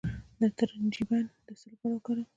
د ترنجبین د څه لپاره وکاروم؟